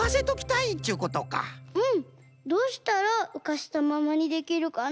どうしたらうかせたままにできるかな？